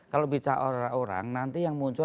kalau bicara orang orang nanti yang muncul